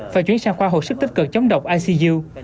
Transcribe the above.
và chuyến sang khoa hộp sức tích cực chống độc icu